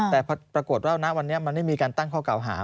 แต่พอประกวดแล้วนะวันนี้มันได้ไม่มีการตั้งข้อกราวหา